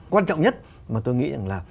quan trọng nhất mà tôi nghĩ rằng là